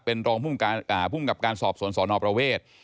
เป็นรองผู้กำกับการสอบศวนสอนอประเวท